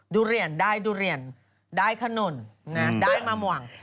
ดุเรียนได้ดุเรียนได้คนนได้มะม่วง